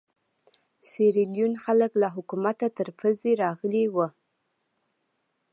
سیریلیون خلک له حکومته تر پزې راغلي وو.